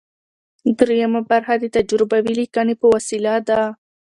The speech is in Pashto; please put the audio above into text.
دریمه برخه د تجربوي لیکنې په وسیله ده.